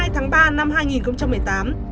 một mươi hai tháng ba năm hai nghìn một mươi tám